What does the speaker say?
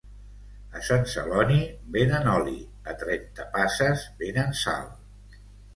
A Sant Celoni venen oli a Trentapasses venen sal